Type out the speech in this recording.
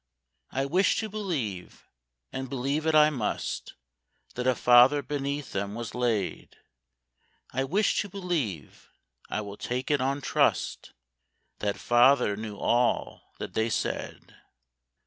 I wish to believe, and believe it I must, That a father beneath them was laid: I wish to believe,—I will take it on trust, That father knew all that they said.